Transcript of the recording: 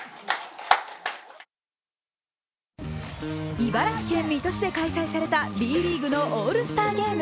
茨城県水戸市開催されたＢリーグのオールスターゲーム。